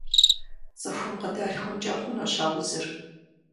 ЦӀыхум къыдалъхункӀэ хъунущ а узыр.